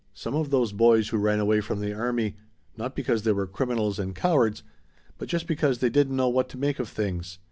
Some of those boys who ran away from the army, not because they were criminals and cowards, but just because they didn't know what to make of things.